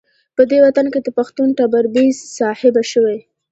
په دې وطن کې د پښتون ټبر بې صاحبه شوی.